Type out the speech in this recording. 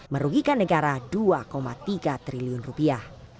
merugikan negara dua tiga triliun rupiah